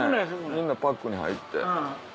みんなパックに入って。